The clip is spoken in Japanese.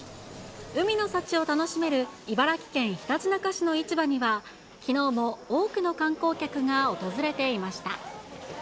海の幸を楽しめる茨城県ひたちなか市の市場には、きのうも多くの観光客が訪れていました。